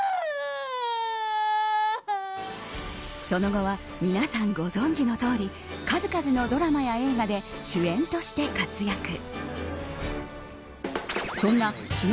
その後は皆さんご存じのとおり数々のドラマや映画で主演として活躍。